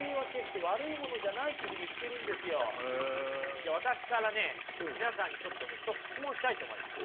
じゃあ私からね皆さんにちょっとね一つ質問をしたいと思います。